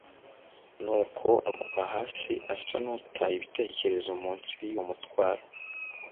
nuko agwa hasi asa n'utaye ibitekerezo, munsi y'uwo mutwaro.